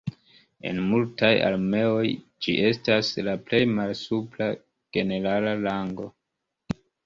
En multaj armeoj ĝi estas la plej malsupra generala rango.